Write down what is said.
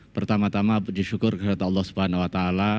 pertama tama disyukur kepada allah swt